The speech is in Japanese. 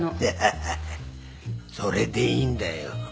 ハハハ！それでいいんだよ。